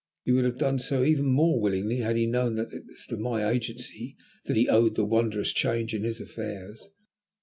He would have done so even more willingly had he known that it was to my agency that he owed the wondrous change in his affairs.